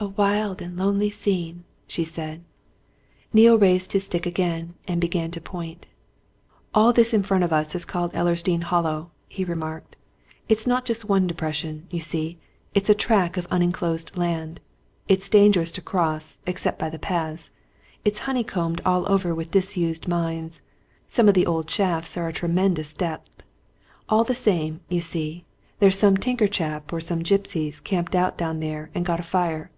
"A wild and lonely scene!" she said. Neale raised his stick again and began to point. "All this in front of us is called Ellersdeane Hollow," he remarked. "It's not just one depression, you see it's a tract of unenclosed land. It's dangerous to cross, except by the paths it's honeycombed all over with disused lead mines some of the old shafts are a tremendous depth. All the same, you see, there's some tinker chap, or some gipsies, camped out down there and got a fire.